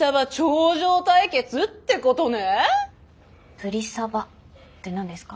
ブリサバって何ですか？